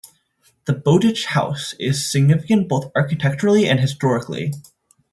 The Bowditch House is significant both architecturally and historically.